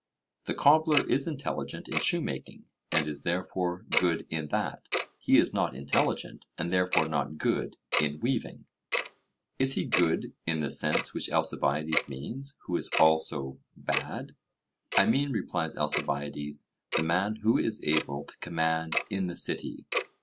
The cobbler is intelligent in shoemaking, and is therefore good in that; he is not intelligent, and therefore not good, in weaving. Is he good in the sense which Alcibiades means, who is also bad? 'I mean,' replies Alcibiades, 'the man who is able to command in the city.'